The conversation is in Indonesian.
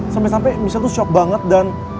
sampai sampai misal tuh shock banget dan